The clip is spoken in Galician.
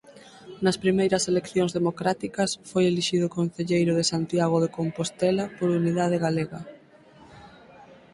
Nas primeiras eleccións democráticas foi elixido concelleiro de Santiago de Compostela por Unidade Galega.